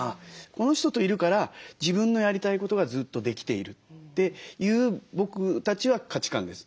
この人といるから自分のやりたいことがずっとできているという僕たちは価値観です。